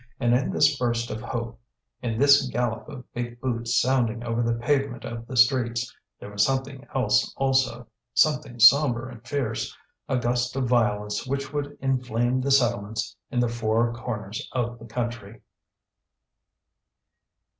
And in this burst of hope, in this gallop of big boots sounding over the pavement of the streets, there was something else also, something sombre and fierce, a gust of violence which would inflame the settlements in the four corners of the country.